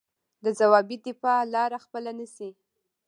د ځوابي دفاع لاره خپله نه شي.